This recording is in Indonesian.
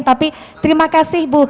tapi terima kasih ibu